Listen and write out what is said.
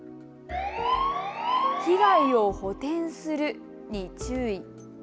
被害を補てんするに注意。